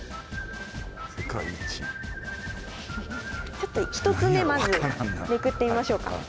ちょっと１つ目まずめくってみましょうか。